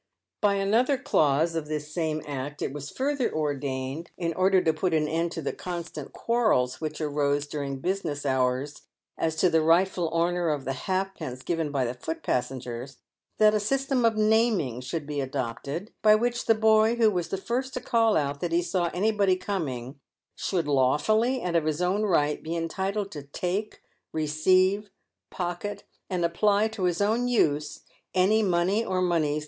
By another clause . of this same act it was further ordained, in order to put an end to the constant quarrels which arose during business hours as to the rightful owner of the halfpence given by the foot passengers, that a system of " naming" should be adopted, by which the boy who was the first to call out that he saw any body coming, should lawfully and of his own right be entitled to take, receive, pocket, and apply to his own use, any money or moneys PAVED WITH GOLD.